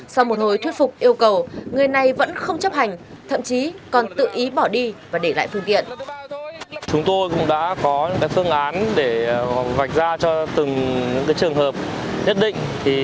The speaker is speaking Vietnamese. sau một hồi thuyết phục yêu cầu người này vẫn không chấp hành thậm chí còn tự ý bỏ đi và để lại phương tiện